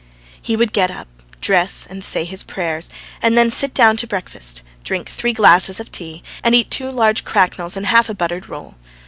He would get up, dress and say his prayers, and then sit down to breakfast, drink three glasses of tea, and eat two large cracknels and a half a buttered roll.